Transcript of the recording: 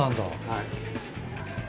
はい。